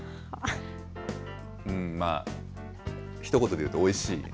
まあ、ひと言でいうとおいしい。